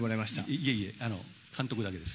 いえいえ、監督だけです。